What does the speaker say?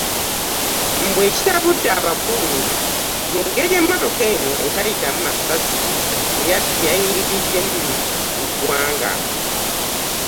Mbu ekitabudde abakulu y'engeri emmotoka eno etayitamu masasi gye yayingiddemu mu ggwanga